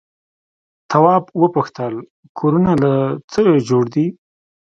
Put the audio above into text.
تواب وپوښتل کورونه له څه جوړ دي؟